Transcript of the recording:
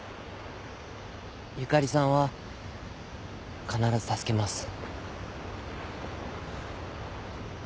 ゆかりさんは必ず助けます。